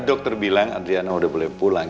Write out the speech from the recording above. dokter bilang adriana udah boleh pulang